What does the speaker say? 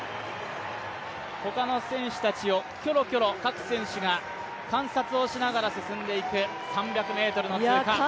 他の選手たちをキョロキョロ、各選手が観察をしながら進んでいく３００ｍの通過。